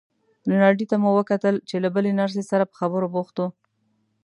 رینالډي ته مو وکتل چې له بلې نرسې سره په خبرو بوخت و.